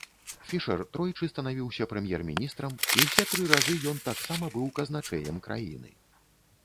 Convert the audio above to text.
Фішэр тройчы станавіўся прэм'ер-міністрам і ўсе тры разы ён таксама быў казначэем краіны.